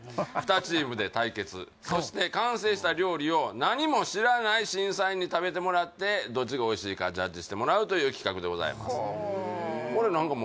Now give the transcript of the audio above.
２チームで対決そして完成した料理を何も知らない審査員に食べてもらってどっちがおいしいかジャッジしてもらうという企画でございます